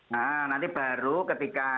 nah nanti baru ketika